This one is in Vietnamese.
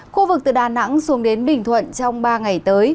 khu vực từ đà nẵng xuống đến bình thuận trong ba ngày tới